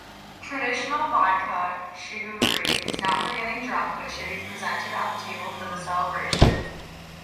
Traditional vodka “ “Shiguderi” “ is not for getting drunk but should be presented on the table for the celebration.